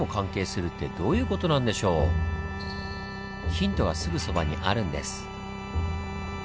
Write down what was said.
ヒントはすぐそばにあるんです。